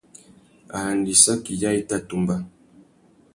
Arandissaki yâā i tà tumba.